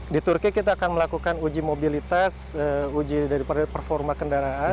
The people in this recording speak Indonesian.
jadi kita akan melakukan uji mobilitas uji dari performa kendaraan